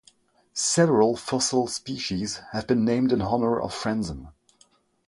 Several fossil species have been named in honor of Franzen.